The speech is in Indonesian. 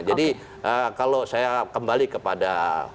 jadi kalau saya kembali kepada